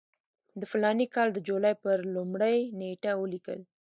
د فلاني کال د جولای پر لومړۍ نېټه ولیکل.